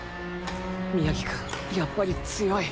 宮城君やっぱり強い。